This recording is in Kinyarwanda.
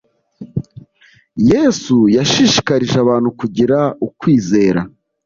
Yesu yashishikarije abantu kugira ukwizera